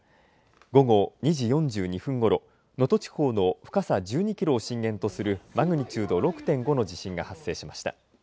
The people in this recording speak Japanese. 午後２時４２分ごろ能登地方の深さ１２キロを震源とするマグニチュード６．５の地震が発生しました。